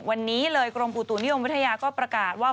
วันนี้เลยกรมอุตุนิยมวิทยาก็ประกาศว่า